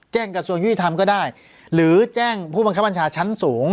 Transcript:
กระทรวงยุติธรรมก็ได้หรือแจ้งผู้บังคับบัญชาชั้นสูง